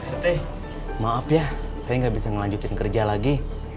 pak rete maaf ya saya ga bisa ngelanjutin kerja lagi